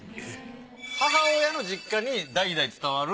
母親の実家に代々伝わる。